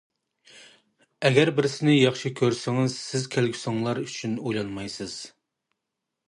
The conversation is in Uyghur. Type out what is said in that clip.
ئەگەر بىرسىنى ياخشى كۆرسىڭىز، سىز كەلگۈسىڭلار ئۈستىدە ئويلانمايسىز.